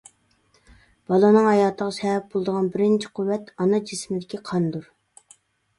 بالىنىڭ ھاياتىغا سەۋەب بولىدىغان بىرىنچى قۇۋۋەت ئانا جىسمىدىكى قاندۇر.